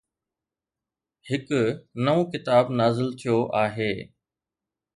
هڪ نئون ڪتاب نازل ٿيو آهي